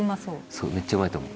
そうめっちゃうまいと思う。